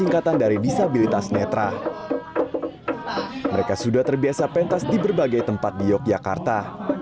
orang orang yang nolong disabilitas netra mereka sudah terbiasa pentas di berbagai tempat di yogyakarta